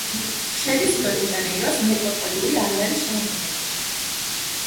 შედის რიო-დე-ჟანეიროს მეტროპოლიური არეალის შემადგენლობაში.